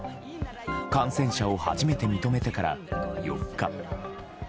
感染者を初めて認めてから４日。